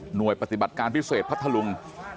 หน่วยปฏิบัติการพิเศษพัทธรุง